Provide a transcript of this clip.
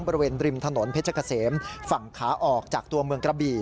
บริเวณริมถนนเพชรเกษมฝั่งขาออกจากตัวเมืองกระบี่